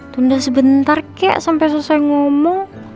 tunda sebentar kek sampai selesai ngomong